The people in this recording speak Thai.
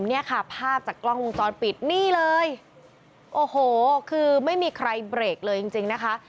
เนี่ยค่ะภาพจากกล้องวงจรปิดนี่เลยโอ้โหคือไม่มีใครเบรกเลยจริงจริงนะคะ